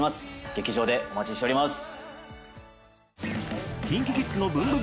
劇場でお待ちしております。